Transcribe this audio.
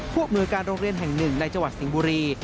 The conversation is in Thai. พวกมือการโรงเรียนแห่งหนึ่งในจังหวัดสิงห์บุรี